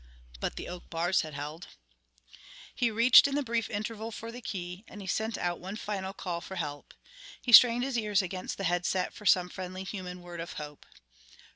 But the oak bars had held. He reached in the brief interval for the key, and he sent out one final call for help. He strained his ears against the head set for some friendly human word of hope.